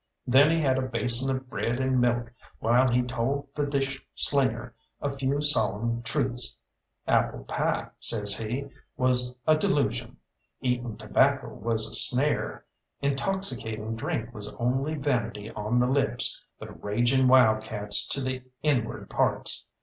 Then he had a basin of bread and milk, while he told the dish slinger a few solemn truths. Apple pie, says he, was a delusion; eating tobacco was a snare; intoxicating drink was only vanity on the lips, but raging wild cats to the inward parts.